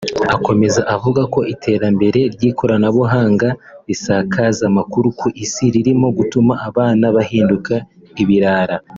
Akomeza avuga ko iterambere ry’ikoranabuhanga n’isakazamakuru ku isi ririmo gutuma abana bahinduka ibirara